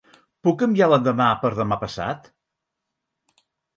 Puc canviar l'endemà per demà passat?